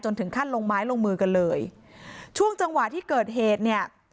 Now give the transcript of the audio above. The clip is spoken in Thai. ถึงขั้นลงไม้ลงมือกันเลยช่วงจังหวะที่เกิดเหตุเนี่ย